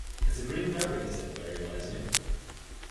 "It is a green fabric," he said very wisely.